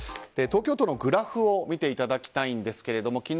東京都のグラフを見ていただきたいんですけれども